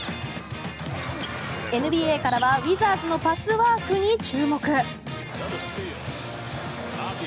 ＮＢＡからはウィザーズのパスワークに注目。